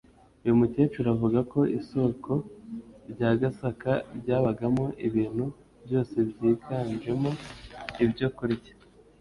Uyu mukecuru avuga ko isoko rya Gasaka ryabagamo ibintu byose byiganjemo ibyo kurya